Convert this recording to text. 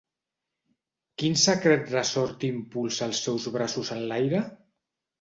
¿Quin secret ressort impulsa els seus braços enlaire?